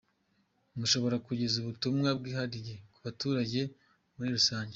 Mushobora kugeza Ubutumwa bwihariye ku baturage muri rusange ?.